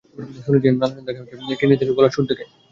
শুনেছি নানা জান তাঁকে একটি রেডিও কিনে দিয়েছিলেন গলার সুর দেখে।